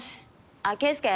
あっ圭介？